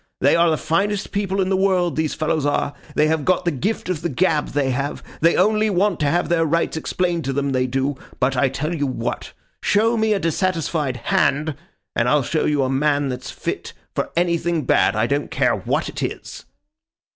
They are the finest people in the world, these fellows are. They have got the gift of the gab, they have. They only want to have their rights explained to them, they do. But I tell you what. Show me a dissatisfied Hand, and I'll show you a man that's fit for anything bad, I don't care what it is.